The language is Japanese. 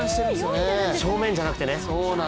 正面じゃなくてね。